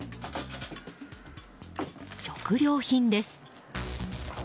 食料品です。